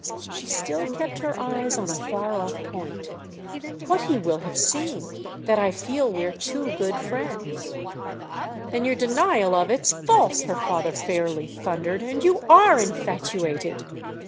She still kept her eyes on a far off point. "What he will have seen—that I feel we're too good friends." "Then your denial of it's false," her father fairly thundered—"and you are infatuated?"